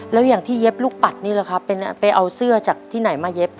แล้วอย่างที่เย็บลูกปัดนี่แหละครับไปเอาเสื้อจากที่ไหนมาเย็บ